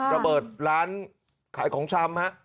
ระเบิดร้านขายของชำฮะ